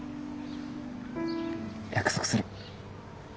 約束する。